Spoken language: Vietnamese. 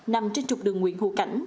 nằm trên trục đường nguyễn hữu cảnh